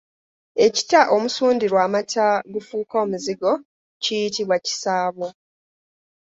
Ekita omusundirwa amata gafuuke Omuzigo kiyitibwa kisaabo.